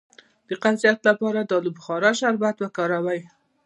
د قبضیت لپاره د الو بخارا شربت وکاروئ